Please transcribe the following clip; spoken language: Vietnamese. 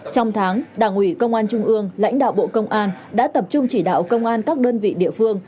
trong tháng đảng ủy công an trung ương lãnh đạo bộ công an đã tập trung chỉ đạo công an các đơn vị địa phương